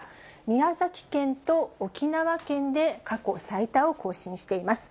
宮崎県と沖縄県で過去最多を更新しています。